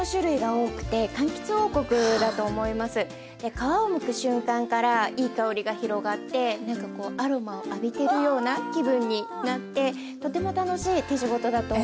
皮をむく瞬間からいい香りが広がってなんかこうアロマを浴びてるような気分になってとても楽しい手仕事だと思います。